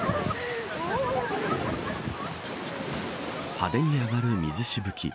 派手に上がる水しぶき。